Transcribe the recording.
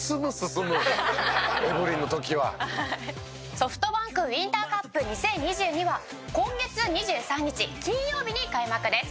ＳｏｆｔＢａｎｋウインターカップ２０２２は今月２３日金曜日に開幕です。